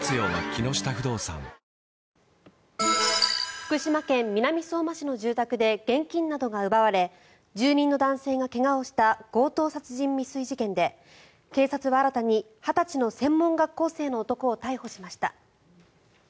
福島県南相馬市の住宅で現金などが奪われ住人の男性が怪我をした強盗殺人未遂事件で警察は新たに２０歳の専門学校生の男を逮捕しました。